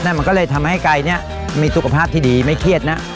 มันก็เลยทำให้ไก่เนี่ยมีสุขภาพที่ดีไม่เครียดนะ